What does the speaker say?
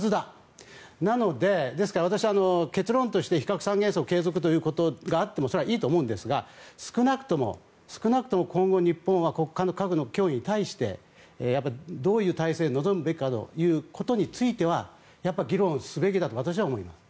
ですから私は結論として非核三原則継続があったとしてもそれはいいと思うんですが少なくとも今後、日本は核の脅威に対してどういう体制で臨むべきかということについては議論すべきだと私は思います。